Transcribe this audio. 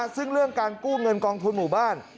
ซึ่งเรื่องการกู้เงินกองทุนหมู่บ้าน